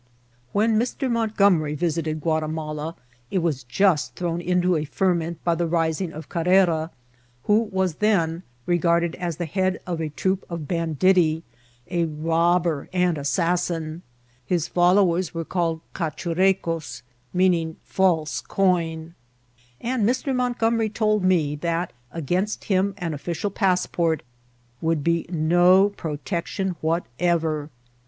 When Mr. Montgomery visited Guati mala, it was just thrown into a ferment by the rising of Carrera, who was then regarded as the head of a ▲ COMPATRIOT. 87 troop of banditti, a robber and asBassin ; his follow* ers were called Cachurecos (meaning false coin), and Mr. Montgomery told me that against him an official passport would be no protection whatever.